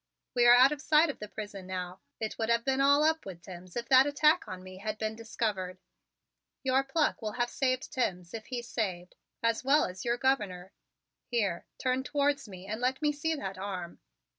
We are out of sight of the prison now. It would have all been up with Timms if that attack upon me had been discovered. Your pluck will have saved Timms, if he's saved, as well as your Governor. Here, turn towards me and let me see that arm."